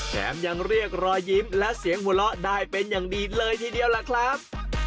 แถมยังเรียกรอยยิ้มและเสียงหัวเราะได้เป็นอย่างดีเลยทีเดียวล่ะครับ